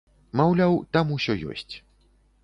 Маўляў, там усё ёсць.